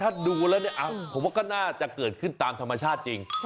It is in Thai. ถ้าดูแล้วเนี่ยผมว่าก็น่าจะเกิดขึ้นตามธรรมชาติจริง